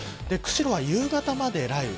釧路は夕方まで雷雨。